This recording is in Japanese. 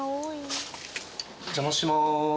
お邪魔します。